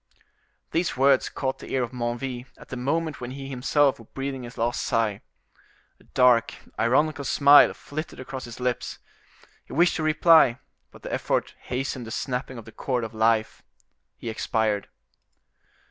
These words caught the ear of Menneville at the moment when he himself was breathing his last sigh. A dark, ironical smile flitted across his lips; he wished to reply, but the effort hastened the snapping of the chord of life—he expired.